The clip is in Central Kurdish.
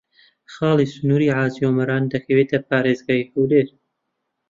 خاڵی سنووریی حاجی ئۆمەران دەکەوێتە پارێزگای هەولێر.